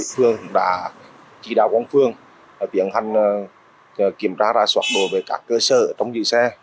công an phương đã chỉ đạo quang phương tiến hành kiểm tra ra soạn đối với các cơ sở trong giữ xe